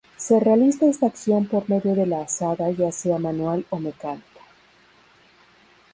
Se realiza esta acción por medio de la azada ya sea manual o mecánica.